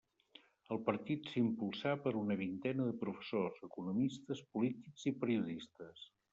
El partit s'impulsà per una vintena de professors, economistes, polítics i periodistes.